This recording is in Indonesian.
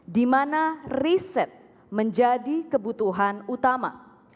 di mana riset menjadi kebutuhan utama